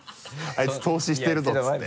あいつ透視してるぞって言って？